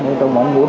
nên tôi mong muốn